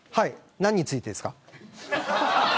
何についてですか。